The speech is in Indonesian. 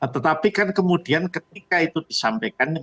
tetapi kan kemudian ketika itu disampaikan